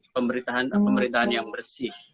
pemberitaan yang bersih